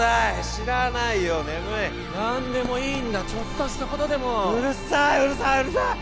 知らないよ眠い何でもいいんだちょっとしたことでもうるさいうるさいうるさい！